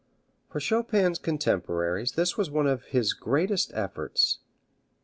For Chopin's contemporaries this was one of his greatest efforts.